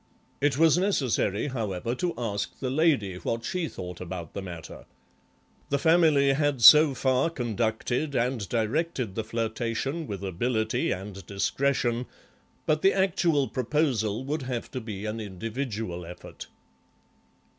It was necessary, however to ask the lady what she thought about the matter; the family had so far conducted and directed the flirtation with ability and discretion, but the actual proposal would have to be an individual effort.